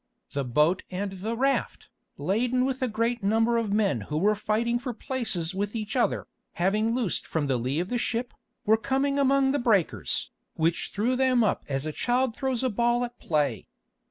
The boat and the raft, laden with a great number of men who were fighting for places with each other, having loosed from the lee of the ship, were come among the breakers, which threw them up as a child throws a ball at play.